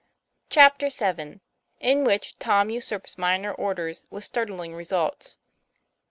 CHAPTER VII. IN WHICH TOM USURPS MINOR ORDERS WITH STARTLING RESUL TS.